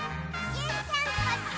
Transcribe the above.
ちーちゃんこっち！